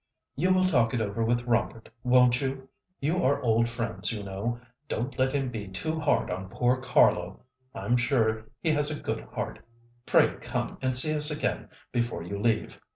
"You will talk it over with Robert, won't you? You are old friends, you know. Don't let him be too hard on poor Carlo. I'm sure he has a good heart. Pray come and see us again before you leave."